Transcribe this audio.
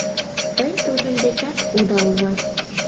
Тый тудын дечат уда улат.